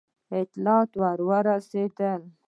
اطلاعات ورسېدل.